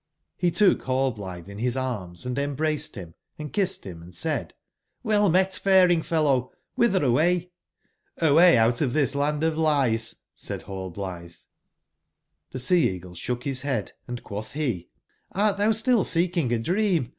T)c took nallblitbe in bis arms and embraced bim and kissed bim, and said: "(Jlell met faring/fellow? CQbitberaway?"j^"Hwayoutoftbis land of lies," said Hallblitbe. tTbe Sea/eagle sbook bis bead, and quotb be :" Hrt tbou still seeking a dream